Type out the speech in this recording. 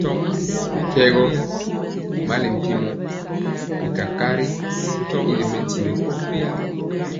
Mɛ tyugɔ mali mpiemɔ bi kakariwa y ri mɛntiwɔ.